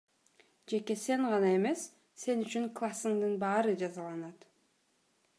Жеке сен гана эмес, сен үчүн классыңдын баары жазаланат.